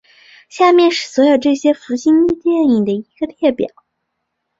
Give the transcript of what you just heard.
下面是所有这些福星电影的一个列表。